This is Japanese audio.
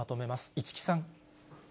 市來さん。